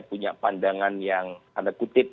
punya pandangan yang tanda kutip